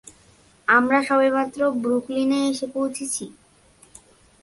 আমরা সবেমাত্র ব্রুকলিনে এসে পৌঁছেছি!